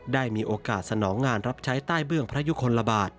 ได้มีโอกาสสนองงานรับใช้ใต้เบื้องพระยุคลบาท